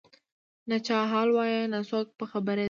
نه چا حال وایه نه څوک په خبرېدله